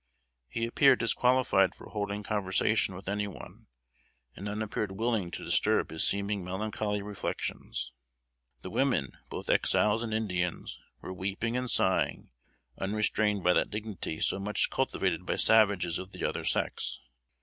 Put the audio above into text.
He appeared disqualified for holding conversation with any one, and none appeared willing to disturb his seeming melancholy reflections. The women both Exiles and Indians were weeping and sighing, unrestrained by that dignity so much cultivated by savages of the other sex.